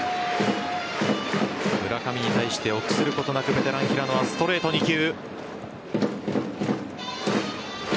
村上に対して臆することなくベテラン・平野はストレート２球。